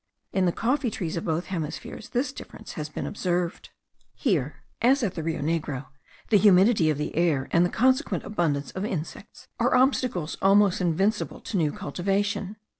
In the coffee trees of both hemispheres this difference has been observed. Here, as at the Rio Negro, the humidity of the air, and the consequent abundance of insects, are obstacles almost invincible to new cultivation.